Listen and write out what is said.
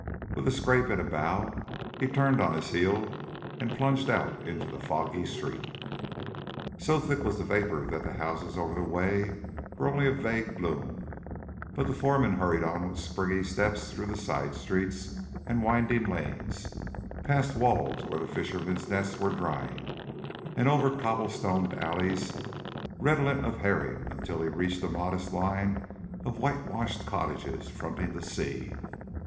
With a scrape and a bow, he turned on his heel, and plunged out into the foggy street. So thick was the vapour that the houses over the way were only a vague loom, but the foreman hurried on with springy steps through side streets and winding lanes, past walls where the fishermen's nets were drying, and over cobble stoned alleys redolent of herring, until he reached a modest line of whitewashed cottages fronting the sea.